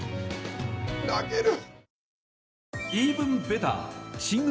泣ける！